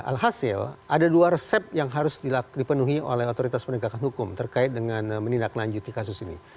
alhasil ada dua resep yang harus dipenuhi oleh otoritas penegakan hukum terkait dengan menindaklanjuti kasus ini